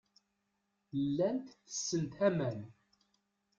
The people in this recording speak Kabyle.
Llant tessent aman.